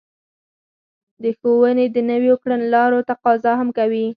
د ښوونې د نويو کړنلارو تقاضا هم کوي.